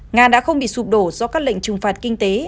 nga đã không bị sụp đổ do các lệnh trừng phạt kinh tế